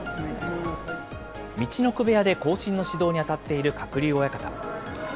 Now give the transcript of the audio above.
陸奥部屋で後進の指導に当たっている鶴竜親方。